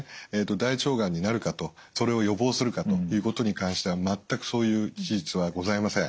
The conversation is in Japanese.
大腸がんになるかとそれを予防するかということに関しては全くそういう事実はございません。